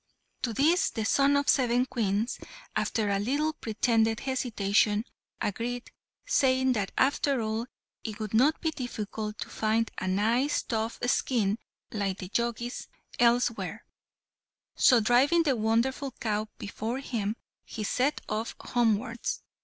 To this the son of seven Queens, after a little pretended hesitation, agreed, saying that after all it would not be difficult to find a nice tough skin like the Jogi's elsewhere; so, driving the wonderful cow before him, he set off homewards.